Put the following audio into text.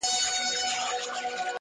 تور یم؛ موړ یمه د ژوند له خرمستیو؛